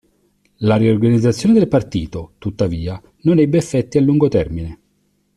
La riorganizzazione del partito, tuttavia, non ebbe effetti a lungo termine.